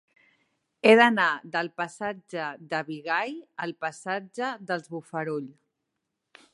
He d'anar del passatge de Bigai al passatge dels Bofarull.